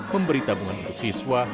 memberi tabungan untuk siswa